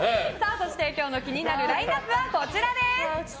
今日の気になるラインアップはこちらです。